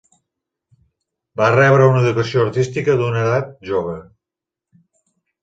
Va rebre una educació artística d'una edat jove.